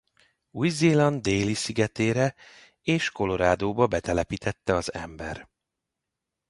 Új-Zéland Déli-szigetére és Coloradoba betelepítette az ember.